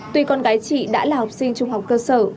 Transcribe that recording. tuy con gái chị đã là học sinh trung học cơ sở